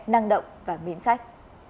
năng động và miến khách